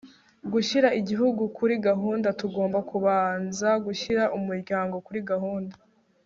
gushyira igihugu kuri gahunda, tugomba kubanza gushyira umuryango kuri gahunda